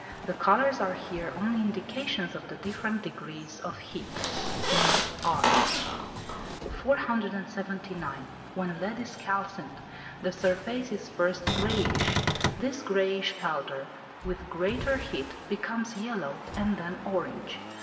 The colours are here only indications of the different degrees of heat. Note R. 479. When lead is calcined, the surface is first greyish. This greyish powder, with greater heat, becomes yellow, and then orange.